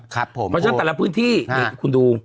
เพราะฉะนั้นแต่ละพื้นที่นี่คุณดู